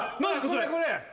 これこれ。